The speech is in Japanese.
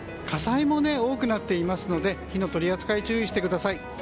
火災も多くなっていますので火の取り扱い、注意してください。